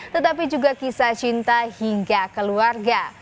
tetapi juga kisah cinta hingga keluarga